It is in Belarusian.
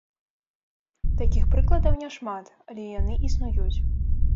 Такіх прыкладаў няшмат, але яны існуюць.